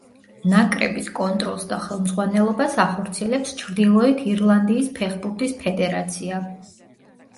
ნაკრების კონტროლს და ხელმძღვანელობას ახორციელებს ჩრდილოეთ ირლანდიის ფეხბურთის ფედერაცია.